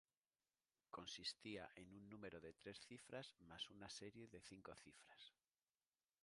Consistía en un número de tres cifras más una serie de cinco cifras.